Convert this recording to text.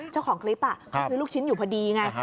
เจ้าของคลิปเขาซื้อลูกชิ้นอยู่พอดีไง